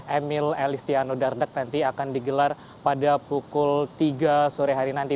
emil elistiano dardak nanti akan digelar pada pukul tiga sore hari nanti